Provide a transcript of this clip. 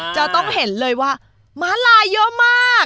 จะต้องเห็นเลยว่าม้าลายเยอะมาก